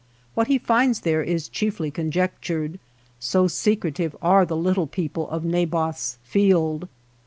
What he finds there is chiefly conjectured, so secretive are the little peo ple of Naboth's field.